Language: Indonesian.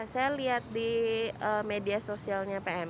saya lihat di media sosialnya pm